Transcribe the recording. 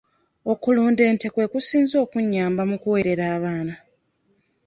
Okulunda ente kwe kusinze okunnyamba mu kuweerera abaana.